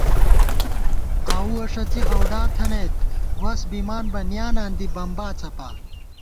آؤوَہ ݭڅی ہَوڈا تھنَئیت وس بِمان بہ نِیاناں دی بمبا څَپا